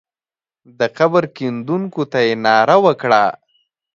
د قبر کیندونکو ته یې ناره وکړه.